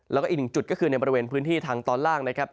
แล้วก็อีกหนึ่งจุดก็คือในบริเวณพื้นที่ทางตอนล่างนะครับ